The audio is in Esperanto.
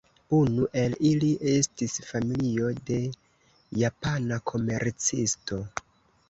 Unu el ili estis familio de japana komercisto.